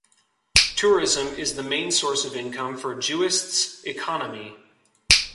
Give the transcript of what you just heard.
Tourism is the main source of income for Juist's economy.